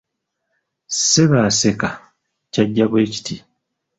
Ssebaaseka kyajja bwe kiti;